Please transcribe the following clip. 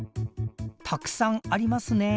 たくさんありますね。